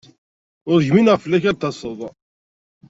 Ur gmineɣ fell-ak ad d-taseḍ.